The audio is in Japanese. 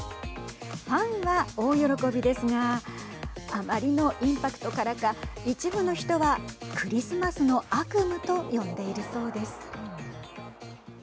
ファンは大喜びですがあまりのインパクトからか一部の人はクリスマスの悪夢と呼んでいるそうです。